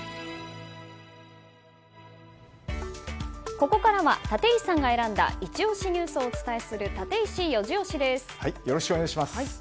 ここからは立石さんが選んだイチ推しニュースをお伝えするよろしくお願いします。